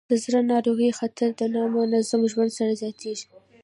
د زړه ناروغیو خطر د نامنظم ژوند سره زیاتېږي.